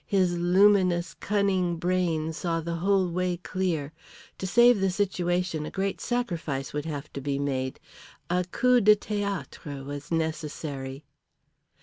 His luminous cunning brain saw the whole way clear. To save the situation a great sacrifice would have to be made. A coup de théâtre was necessary.